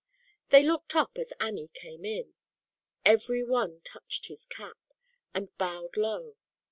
They looked up as Annie came in. Every one touched his cap, and bowed low.